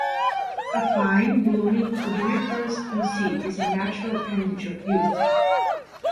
A fine, blooming, odoriferous conceit is a natural appendage of youth.